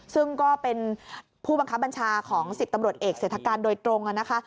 ซึ่งก็เป็นผู้บังคับบัญชาของ๑๐ตำรวจเอกเศรษฐการโดยตรงนะคะ